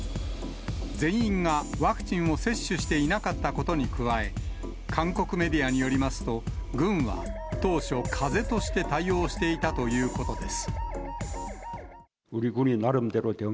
全員がワクチンを接種していなかったことに加え、韓国メディアによりますと、軍は当初、かぜとして対応していたということです。